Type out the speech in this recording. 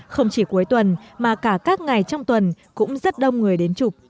không chỉ cuối tuần mà cả các ngày trong tuần cũng rất đông người đến chụp